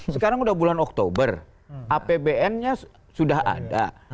sekarang udah bulan oktober apbn nya sudah ada